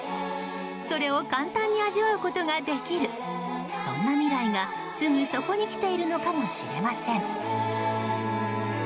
それを簡単に味わうことができるそんな未来がすぐそこに来ているのかもしれません。